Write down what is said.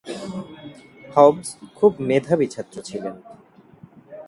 Hobbes খুব মেধাবী ছাত্র ছিলেন।